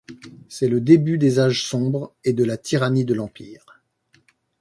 C'est le début des âges sombres et de la tyrannie de l'Empire...